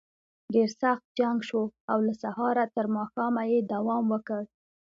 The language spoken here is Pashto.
ډېر سخت جنګ شو او له سهاره تر ماښامه یې دوام وکړ.